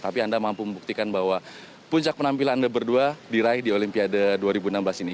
tapi anda mampu membuktikan bahwa puncak penampilan anda berdua diraih di olimpiade dua ribu enam belas ini